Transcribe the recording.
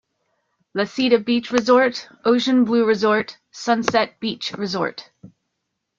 Lacida Beach Resort, Ocean Blue Resort, Sunset Beach Resort.